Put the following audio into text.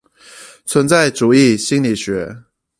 存在主義心理學